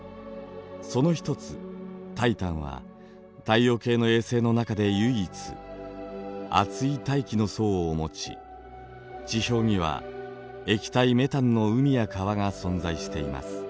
その一つタイタンは太陽系の衛星の中で唯一厚い大気の層を持ち地表には液体メタンの海や川が存在しています。